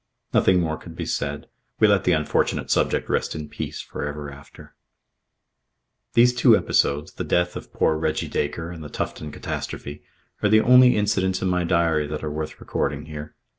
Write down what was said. Nothing more could be said. We let the unfortunate subject rest in peace for ever after. These two episodes, the death of poor Reggie Dacre and the Tufton catastrophe, are the only incidents in my diary that are worth recording here.